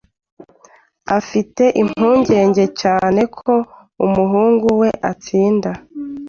Afite impungenge cyane ko umuhungu we atsinda.